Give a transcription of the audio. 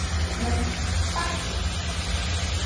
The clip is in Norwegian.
Feil!